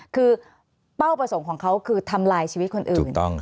คือเป้าประสงค์ของเขาคือทำลายชีวิตคนอื่น